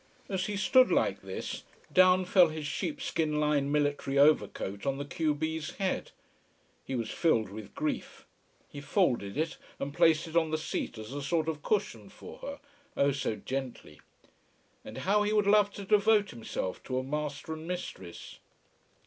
As he stood like this, down fell his sheepskin lined military overcoat on the q b's head. He was filled with grief. He folded it and placed it on the seat, as a sort of cushion for her, oh so gently! And how he would love to devote himself to a master and mistress.